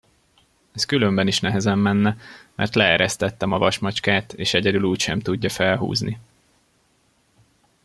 Ez különben is nehezen menne, mert leeresztettem a vasmacskát, és egyedül úgysem tudja felhúzni.